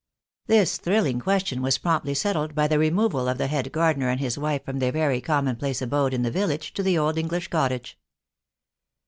This thrilling question was promptly settled by the removal of the head gardener and his wife from their very commonplace abode in the village to the old English cottage.